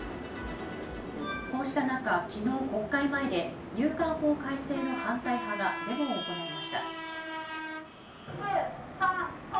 こうした中、昨日国会前で入管法改正の反対派がデモを行いました。